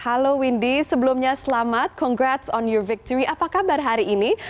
halo windy sebelumnya selamat congrats on you victory apa kabar hari ini